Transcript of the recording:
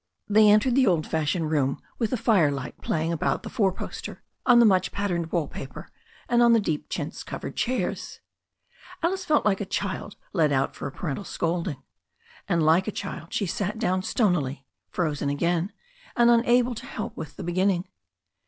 They entered the old fashioned room with the firelight 244 THE STORY OF A NEW ZEALAND RIVER playing about the four poster, on the much patterned wall paper, and on the deep chintz covered chairs. Alice felt like a child led out for a parental scolding. And like a child she sat down stonily, frozen again, and unable to help with the beginning.